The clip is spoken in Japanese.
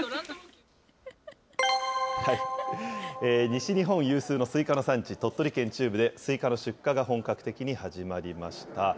西日本有数のスイカの産地、鳥取県中部で、スイカの出荷が本格的に始まりました。